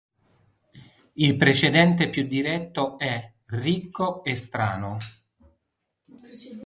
Il precedente più diretto è "Ricco e strano".